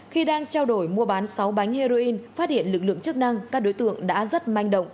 khi đang trao đổi mua bán sáu bánh heroin phát hiện lực lượng chức năng các đối tượng đã rất manh động